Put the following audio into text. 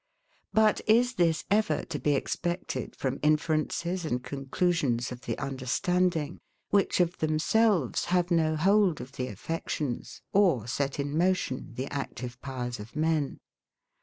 But is this ever to be expected from inferences and conclusions of the understanding, which of themselves have no hold of the affections or set in motion the active powers of men?